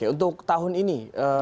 untuk tahun ini